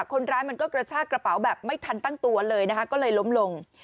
คนร้ายมันก็กระชากระเป๋าแบบไม่ทันตั้งตัวเลยนะคะก็เลยล้มลง